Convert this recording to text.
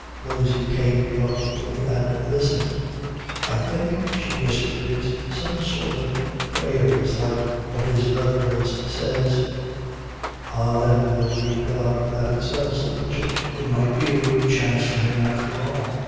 Rosy came reluctantly and listened. "I think," she whispered, "it's some sort of prayers like what his Riverence sez." "Ah, then, glory be to God for that itself," said Bridget, "there might be a good chance for him after all."